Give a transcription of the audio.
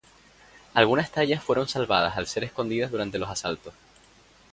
Algunas tallas fueron salvadas al ser escondidas durante los asaltos.